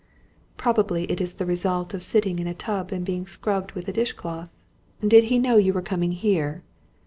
"Probably it is the result of sitting in a tub and being scrubbed with a dish cloth. Did he know you were coming here?"